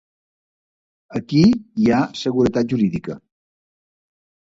aquí hi ha seguretat jurídica